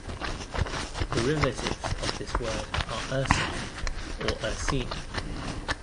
Derivatives of this word are ursine or Ursini.